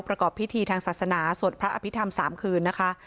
ประกอบพิธีทางศาสนาสวดพระอภิษฐรรม๓คืนนะคะ